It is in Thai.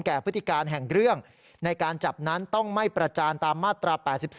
พฤติการแห่งเรื่องในการจับนั้นต้องไม่ประจานตามมาตรา๘๒